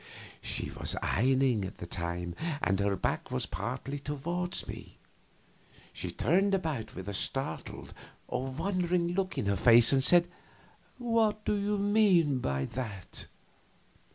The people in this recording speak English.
She was ironing at the time, and her back was partly toward me. She turned about with a startled or wondering look in her face and said, "What do you mean by that?"